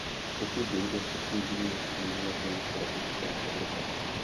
Pokud dojde ke zpoždění, může na tom tratit celá Evropa.